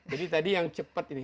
jadi tadi yang cepat ini